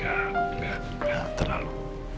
enggak enggak enggak terlalu